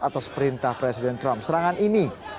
atas perintah presiden trump serangan ini